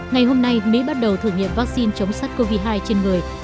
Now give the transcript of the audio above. ngày hôm nay mỹ bắt đầu thử nghiệm vaccine chống sát covid một mươi chín trên người